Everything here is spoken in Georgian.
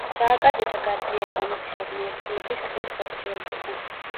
სააკაძეთა გაძლიერება მეფისადმი ერთგულების გზით ხორციელდება.